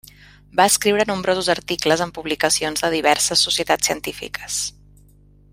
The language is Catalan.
Va escriure nombrosos articles en publicacions de diverses societats científiques.